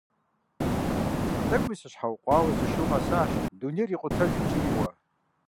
ТӀэкӀуи сыщхьэукъуауэ, зы шу къэсащ дунейр икъутэжу кӀийуэ.